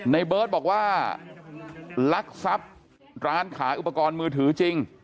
ในเบิร์ตบอกว่าลักทรัพย์ร้านขายอุปกรณ์มือถือจริง